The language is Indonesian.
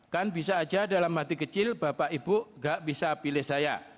kan bisa aja dalam hati kecil bapak ibu gak bisa pilih saya